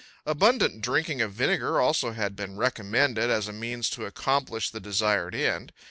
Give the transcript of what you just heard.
Abundant drinking of vinegar also had been recommended as a means to accomplish the desired end.